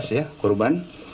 empat belas ya korban